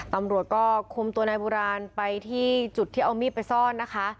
ตำรวจก็คุมตัวนายโบราณไปที่จุดที่เอามีดไปซ่อนนะคะ